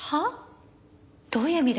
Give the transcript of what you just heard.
どういう意味ですか？